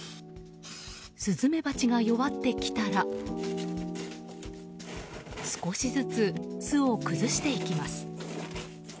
スズメバチが弱ってきたら少しずつ巣を崩していきます。